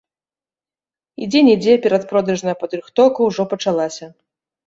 І дзе-нідзе перадпродажная падрыхтоўка ўжо пачалася.